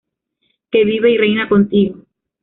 Que vive y reina contigo.